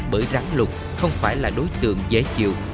bởi rắn lục không phải là đối tượng dễ chịu